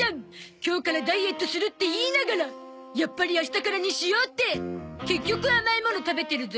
今日からダイエットするって言いながらやっぱり明日からにしようって結局甘いもの食べてるゾ。